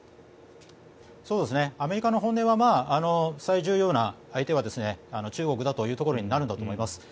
アメリカの本音は最重要の相手は中国だというところになるんだと思います。